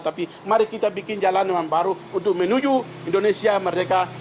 tapi mari kita bikin jalan yang baru untuk menuju indonesia merdeka